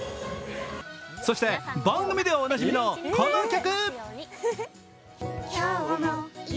そして番組ではおなじみのこの曲。